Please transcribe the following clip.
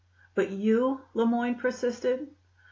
"But you?" Le Moyne persisted.